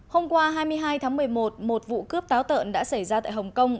hôm qua hai mươi hai tháng một mươi một một vụ cướp táo tợn đã xảy ra tại hồng kông